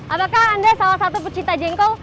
apakah anda salah satu pecinta jengkol